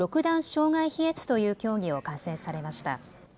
障害飛越という競技を観戦されました。